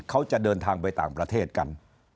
เขาจะเดินทางไปต่างประเทศกัน